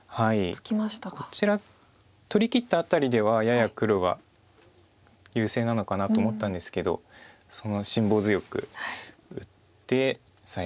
こちら取りきったあたりではやや黒が優勢なのかなと思ったんですけど辛抱強く打って最後は。